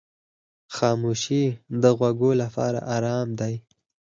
خاموشي د غوږو لپاره آرام دی.